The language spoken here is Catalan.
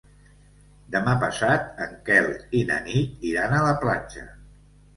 Demà passat en Quel i na Nit iran a la platja.